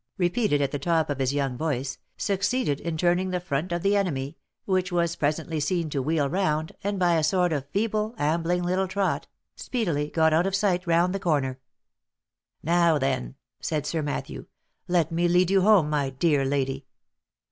repeated at the top of his young voice, succeeded in turning the front of the enemy, which was presently seen to wheel round, and, by a sort of feeble, ambling little trot, speedily got out of sight round the corner. " Now, then," said Sir Matthew, " let me lead you home, my dear lady